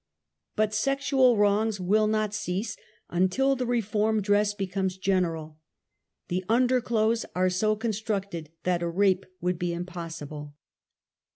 But sexual wrongs will not cease until the reform dress ^ becomes general. The underclothes are so construc ^ ted that a rape would be impossible.